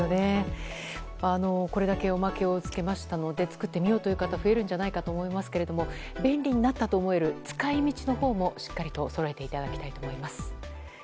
これだけおまけをつけましたので作ってみようという方も増えると思いますが便利になったと思える使い道のほうも、しっかりとそろえていただきたいと思います。